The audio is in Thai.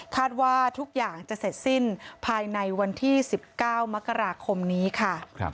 ว่าทุกอย่างจะเสร็จสิ้นภายในวันที่๑๙มกราคมนี้ค่ะ